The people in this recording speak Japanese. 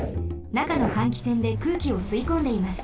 なかの換気扇で空気をすいこんでいます。